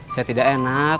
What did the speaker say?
saya tidak enak